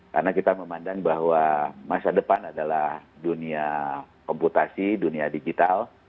karena kita memandang bahwa masa depan adalah dunia komputasi dunia digital